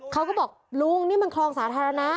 เขาก็บอกลุงนี่มันคลองสาธารณะ